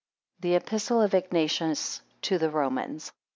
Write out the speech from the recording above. THE EPISTLE OF IGNATIUS TO THE ROMANS.